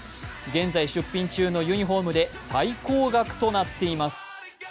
現在、出品中のユニフォームで最高額となっています。